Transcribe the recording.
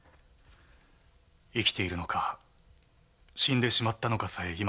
生きているのか死んでしまったのかさえ今もわからず。